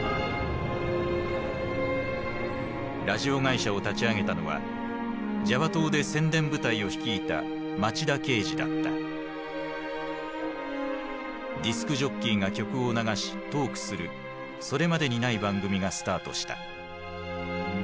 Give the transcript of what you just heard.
ラジオ会社を立ち上げたのはジャワ島で宣伝部隊を率いたディスクジョッキーが曲を流しトークするそれまでにない番組がスタートした。